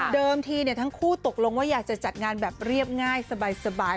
ทีทั้งคู่ตกลงว่าอยากจะจัดงานแบบเรียบง่ายสบาย